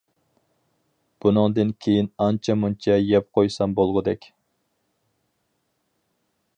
بۇندىن كېيىن ئانچە مۇنچە يەپ قويسام بولغۇدەك.